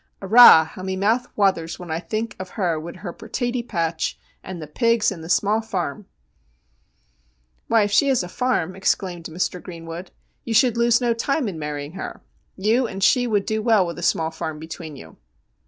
Arrah! how me mouth whathers when I think of her wid her pertaty patch, and the pigs and the small farum !'' Why, if she has a farm,' exclaimed Mr. Greenwood, ' you should lose no time in marrying her. You and she would do well with a small farm between you.'